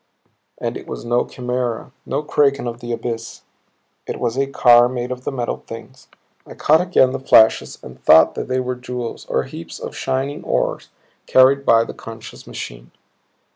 And it was no chimera, no kraken of the abyss. It was a car made of the Metal Things. I caught again the flashes and thought that they were jewels or heaps of shining ores carried by the conscious machine.